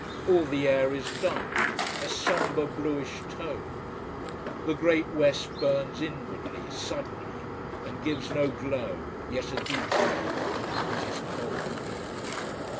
All the air is dark, a sombre bluish tone. The great west burns inwardly, sullenly, and gives no glow, yet a deep red. It is cold.